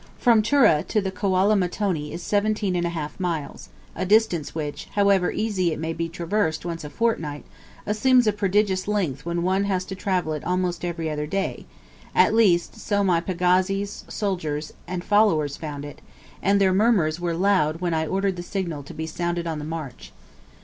From Tura to the Kwala Mtoni is seventeen and a half miles, a distance which, however easy it may be traversed once a fortnight, assumes a prodigious length when one has to travel it almost every other day, at least, so my pagazis, soldiers, and followers found it, and their murmurs were very loud when I ordered the signal to be sounded on the march.